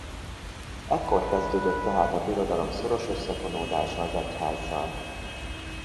Ekkor kezdődött tehát a birodalom szoros összefonódása az egyházzal.